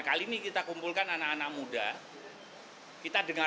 yang berkembang ke dunia